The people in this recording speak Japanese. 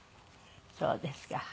そうですか。